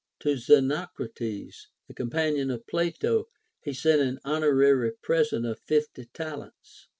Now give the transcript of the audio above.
To Xenocrates, the companion of Plato, he sent an honor ary present of fifty talents.